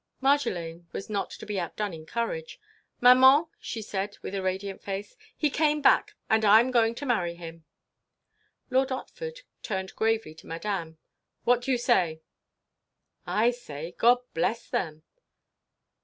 Marjolaine was not to be outdone in courage. "Maman!" she said, with a radiant face, "he came back; and I 'm going to marry him." Lord Otford turned gravely to Madame. "What do you say?" "I say, God bless them."